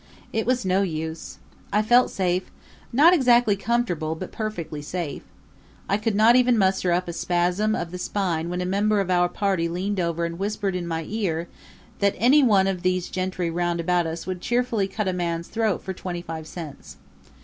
It was no use. I felt safe not exactly comfortable, but perfectly safe. I could not even muster up a spasm of the spine when a member of our party leaned over and whispered in my ear that any one of these gentry roundabout us would cheerfully cut a man's throat for twenty five cents.